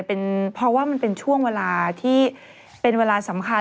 เพราะว่ามันเป็นช่วงเวลาที่เป็นเวลาสำคัญ